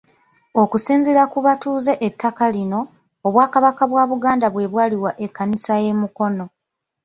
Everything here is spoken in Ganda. Okusinziira ku batuuze ettaka lino, Obwakabaka bwa Buganda bwe bwaliwa Ekkanisa y'e Mukono.